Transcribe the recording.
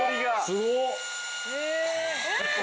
すごっ！